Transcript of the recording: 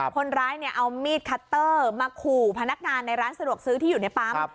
คนร้ายเอามีดคัตเตอร์มาขู่พนักงานในร้านสะดวกซื้อที่อยู่ในปั๊ม